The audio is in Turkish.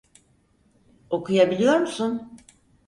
Okuyabiliyor musun?